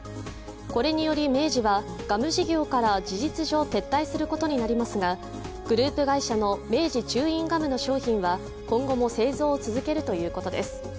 これにより明治はガム事業から事実上撤退することになりますがグループ会社の明治チューインガムの商品は今後も製造を続けるということです。